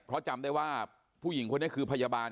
เพราะจำได้ว่าผู้หญิงคนนี้คือพยาบาล